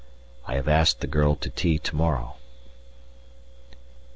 I have asked the girl to tea to morrow.